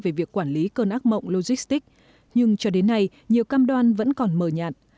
về việc quản lý cơn ác mộng logistics nhưng cho đến nay nhiều cam đoan vẫn còn mờ nhạt